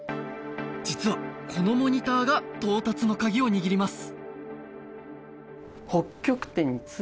実はこのモニターが到達のカギを握ります